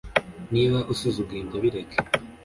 niba usuzuguye ibyo bireke